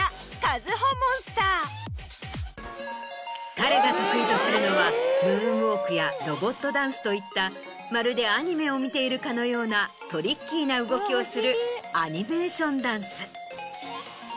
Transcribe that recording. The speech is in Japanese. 彼が得意とするのはムーンウォークやロボットダンスといったまるでアニメを見ているかのようなトリッキーな動きをするアニメーションダンス。